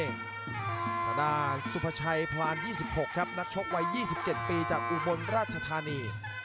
นักโชครุ่นพี่อย่างซุภาชัยพรรณ๒๖ครับนักโชควัย๒๗ปีจากอุบลราชธานี